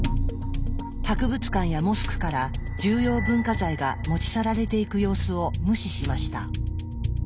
博物館やモスクから重要文化財が持ち去られていく様子を無視しました。